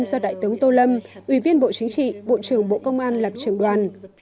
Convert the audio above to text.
do đại tướng tô lâm ủy viên bộ chính trị bộ trưởng bộ công an làm trường đoàn